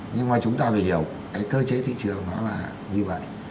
nhưng mà chúng ta phải hiểu cái cơ chế thị trường nó là như vậy